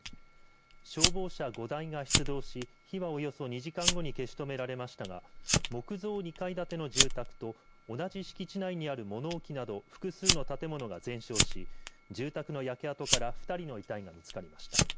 消防車５台が出動し火は、およそ２時間後に消し止められましたが木造２階建ての住宅と同じ敷地内にある物置など複数の建物が全焼し住宅の焼け跡から２人の遺体が見つかりました。